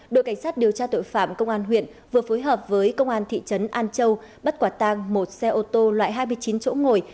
đội cảnh sát điều tra tội phạm công an huyện vừa phối hợp với công an thị trấn an châu bắt quả tang một xe ô tô loại hai mươi chín chỗ ngồi